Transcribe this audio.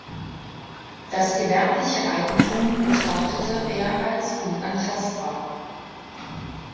Das gewerbliche Eigentum betrachtete er als unantastbar.